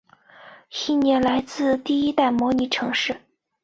意念来自第一代模拟城市。